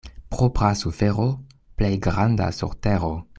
Propra sufero — plej granda sur tero.